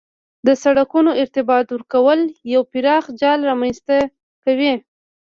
د سرکونو ارتباط ورکول یو پراخ جال رامنځ ته کوي